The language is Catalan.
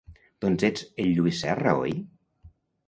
Doncs ets el Lluís Serra, oi?